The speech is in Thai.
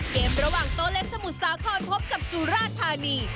เกมระหว่างโตเล็กสมุดซ้าเข้ามาพบกับสุราธานี